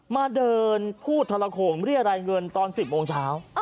มาเดินพูดทะละโคงรี่อะไรเงินตอนสิบโมงเช้า